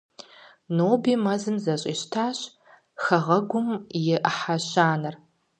Ноби мэзым зэщӀищтащ хэгъэгум и ӏыхьэ щанэр.